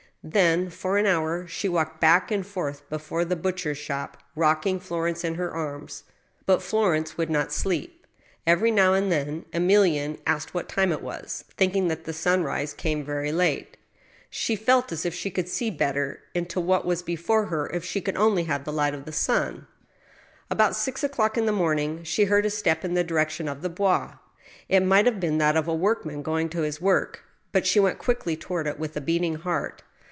Then, for an hour, she walked back and forth before the butch 74 ^^^ STEEL HAMMER, er's shop, rocking Florence in her arms. But Florence would not sleep. Every now and then Emilienae asked what time it was, thinking that sunrise came very late ; she felt as if she could see better into what was before her if she could only have the light of the sun. About six o'clock in the morning, she heard a step in the direc tion of the Bois. It might have been that of a workman going to his work ; but she went quickly toward it with a beating heart.